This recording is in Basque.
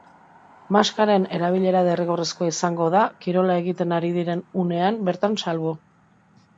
Maskaren erabilera derrigorrezkoa izango da, kirola egiten ari diren unean bertan salbu.